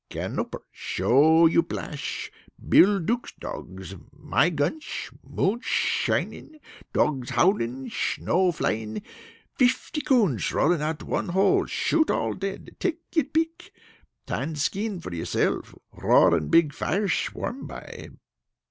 Canoper. Show you plashe. Bill Duke's dogs. My gunsh. Moonsh shinin'. Dogs howlin'. Shnow flying! Fify coonsh rollin' out one hole! Shoot all dead! Take your pick! Tan skin for you myself! Roaring big firesh warm by.